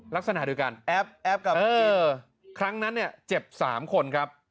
ลักษณะเดียวกันแอ๊บกับอินครั้งนั้นเจ็บสามคนครับ